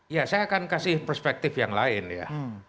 ya saya akan kasih perspektif yang lain ya